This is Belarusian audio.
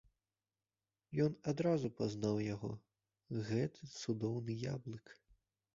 Ён адразу пазнаў яго, гэты цудоўны яблык.